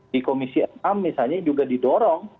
di komisi enam misalnya juga didorong